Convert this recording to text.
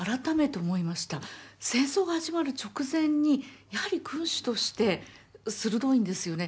戦争が始まる直前にやはり君主として鋭いんですよね。